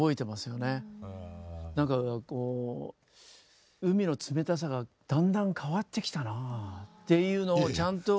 何かこう海の冷たさがだんだん変わってきたなあっていうのをちゃんと。